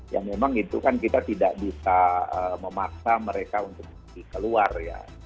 yang memang itu kan kita tidak bisa memaksa mereka untuk pergi ke luar ya